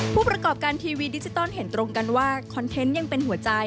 ผู้ประกอบการทีวีดิจิตอลเห็นตรงกันว่าคอนเทนต์ยังเป็นหัวใจ